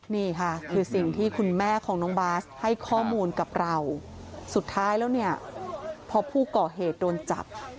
นี่ค่ะคือสิ่งที่คุณแม่ของน้องบาสให้ข้อมูลกับเราสุดท้ายแล้วเนี่ยพอผู้ก่อเหตุโดนจับ